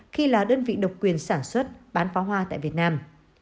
khi là đơn vị độc quyền sản xuất bán pháo hoa tại việt nam